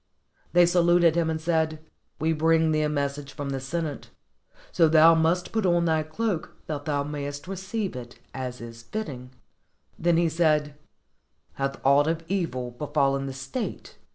They saluted him and said, "We bring thee a message from the Sen ate, so thou must put on thy cloak that thou may est receive it as is fitting." Then he said, "Hath aught of evil befallen the state?"